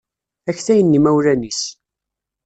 Aktayen n yimawlan-is.